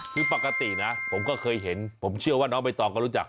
คือปกตินะผมก็เคยเห็นผมเชื่อว่าน้องใบตองก็รู้จัก